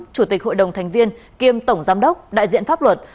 chủ tịch hội đồng thành viên kiêm tổng giám đốc đại diện pháp luật